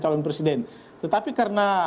calon presiden tetapi karena